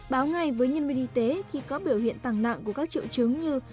báo ngay với nhân viên y tế khi có biểu hiện tăng nặng của các triệu chứng như